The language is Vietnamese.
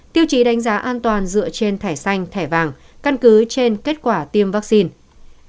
tiêu chí đánh giá an toàn dựa trên thẻ xanh thẻ vàng căn cứ trên kết quả tiêm vaccine